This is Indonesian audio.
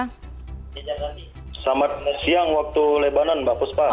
selamat siang waktu lebanon mbak puspa